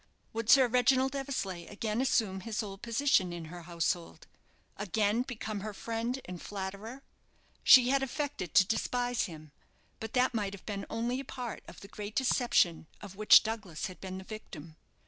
Would Sir Reginald Eversleigh again assume his old position in her household? again become her friend and flatterer? She had affected to despise him; but that might have been only a part of the great deception of which Douglas had been the victim.